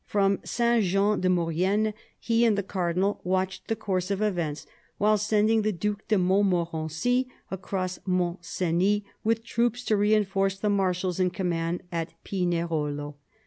From St. Jean de Maurienne he and the Cardinal watched the course of events, while sending the Due de Montmorency across Mont Cenis with troops to reinforce the marshals in command at Pinerolo.